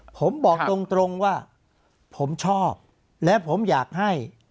ผมบอกตรงว่าผมชอบและผมอยากให้